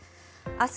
明日